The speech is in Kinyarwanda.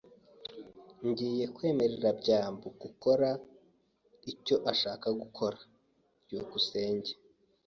Ngiye kwemerera byambo gukora icyo ashaka gukora. byukusenge